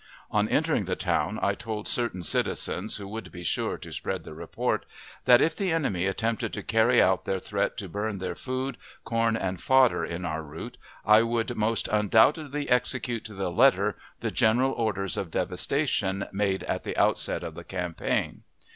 On entering the town, I told certain citizens (who would be sure to spread the report) that, if the enemy attempted to carry out their threat to burn their food, corn, and fodder, in our route, I would most undoubtedly execute to the letter the general orders of devastation made at the outset of the campaign.